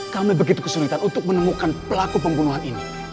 kami begitu kesulitan untuk menemukan pelaku pembunuhan ini